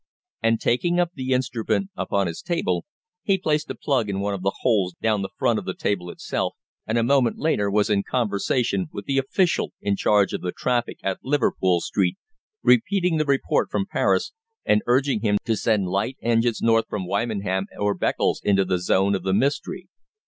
And, taking up the instrument upon his table, he placed a plug in one of the holes down the front of the table itself, and a moment later was in conversation with the official in charge of the traffic at Liverpool Street, repeating the report from Paris, and urging him to send light engines north from Wymondham or Beccles into the zone of the mystery.